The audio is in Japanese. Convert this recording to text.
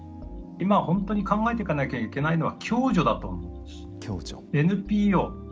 今本当に考えていかなきゃいけないのは共助だと思うんです。